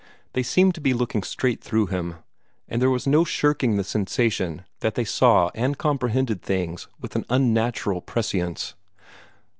They seemed to be looking straight through him, and there was no shirking the sensation that they saw and comprehended things with an unnatural prescience.